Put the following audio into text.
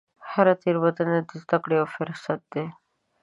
هره تېروتنه د زده کړې یو فرصت دی.